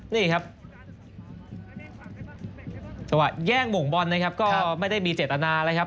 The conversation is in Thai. นี่ครับจังหวะแย่งหม่งบอลนะครับก็ไม่ได้มีเจตนาแล้วครับ